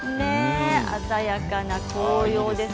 鮮やかな紅葉です。